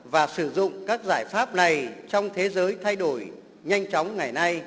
và sử dụng các giải pháp này trong thế giới thay đổi nhanh chóng ngày nay